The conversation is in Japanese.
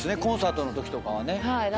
コンサートのときとかはね。